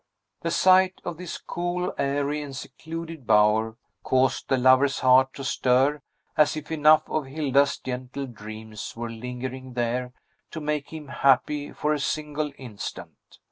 The sight of this cool, airy, and secluded bower caused the lover's heart to stir as if enough of Hilda's gentle dreams were lingering there to make him happy for a single instant.